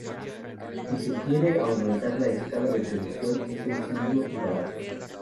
Si se quiere aumentar la escala de producción es sencillo y barato.